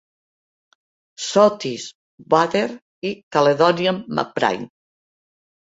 Sottish Water i Caledonian MacBrayne.